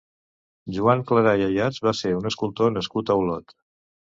Joan Clarà i Ayats va ser un escultor nascut a Olot.